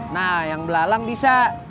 nah yang belalang bisa